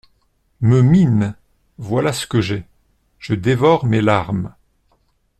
me mine !… voilà ce que j’ai ! je dévore mes larmes !….